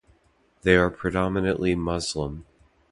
They are predominantly Muslim.